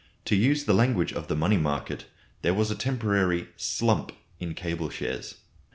To use the language of the money market, there was a temporary "slump" in cable shares.